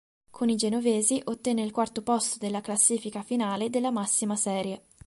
Con i genovesi ottenne il quarto posto della classifica finale della massima serie.